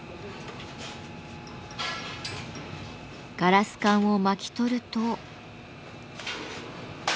ガラス管を巻き取ると。